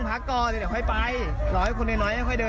จะเอาใส่ในเสื้อไปหรอมันไม่ได้